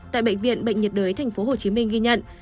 tại bệnh viện bệnh nhiệt đới thành phố hồ chí minh ghi nhận